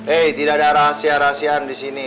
eh tidak ada rahasia rahasian disini